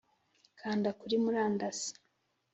kanda kuri murandasi